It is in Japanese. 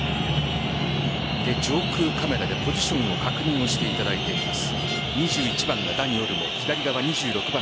上空カメラでポジションを確認をしていただいています。